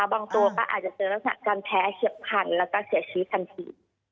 บางตัวก็อาจจะเจอลักษณะการแพ้เฉียบพันธุ์แล้วก็เสียชีวิตทันที